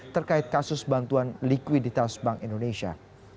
terkait kasus bantuan likuiditas bank indonesia